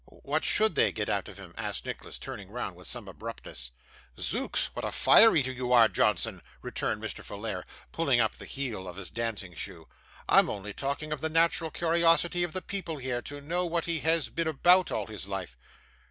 'What SHOULD they get out of him?' asked Nicholas, turning round with some abruptness. 'Zooks! what a fire eater you are, Johnson!' returned Mr. Folair, pulling up the heel of his dancing shoe. 'I'm only talking of the natural curiosity of the people here, to know what he has been about all his life.